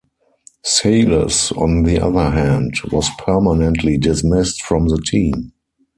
Sayles, on the other hand, was permanently dismissed from the team.